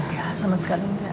ya sama sekali enggak